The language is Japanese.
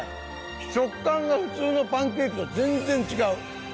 食感が普通のパウンドケーキと全然違う。